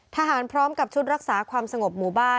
พร้อมกับชุดรักษาความสงบหมู่บ้าน